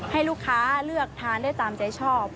ให้ลูกค้าเลือกทานได้ตามใจชอบ